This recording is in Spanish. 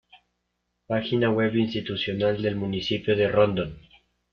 Página web institucional del municipio de Rondon